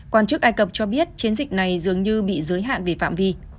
quan chức ai cập cho biết chiến dịch này dường như bị giới hạn về phạm vi